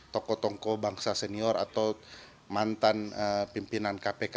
toko toko bangsa senior atau mantan pimpinan kpk